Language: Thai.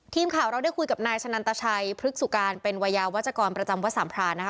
ทีมข่าวเราได้คุยกับนายชะนันตชัยพฤกษุการเป็นวัยยาวัชกรประจำวัดสามพรานนะคะ